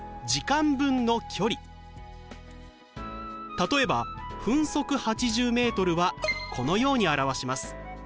例えば分速８０ｍはこのように表します。